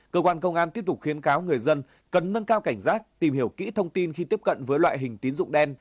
cơ quan công an tiếp tục khuyến cáo người dân cần nâng cao cảnh giác tìm hiểu kỹ thông tin khi tiếp cận với loại hình tín dụng đen